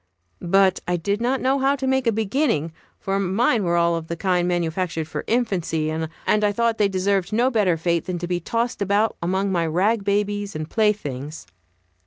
But I did not know how to make a beginning, for mine were all of the kind manufactured for infancy, and I thought they deserved no better fate than to be tossed about among my rag babies and playthings.